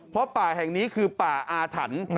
เพราะป่าแห่งนี้คือป่าอาถรรพ์